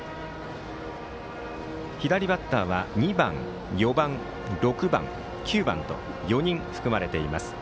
左バッターは２番、４番６番、９番と４人含まれています。